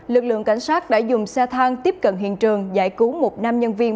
lực lượng cảnh sát đã dùng xe thang tiếp cận hiện trường giải cứu một nam nhân viên